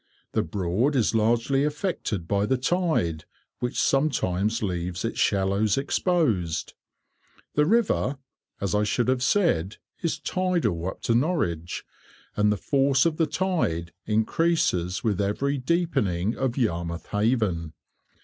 The Broad is largely affected by the tide, which sometimes leaves its shallows exposed. The river, as I should have said, is tidal up to Norwich, and the force of the tide increases with every deepening of Yarmouth Haven.